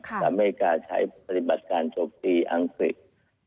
สำหรับอเมริกาใช้ปฏิบัติการจบที่อังกฤษ